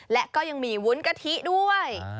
และก็ยังมีวุ้นกะทิด้วย